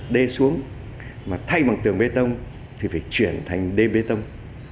đê xuống mà thay bằng tường bê tông thì phải chuyển thành đê bê tông